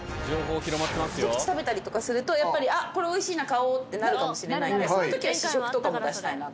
一口食べたりとかすると、やっぱり、あっ、これ、おいしいな、買おうってなるかもしれないんで、そのときは試食とかも出したいなと。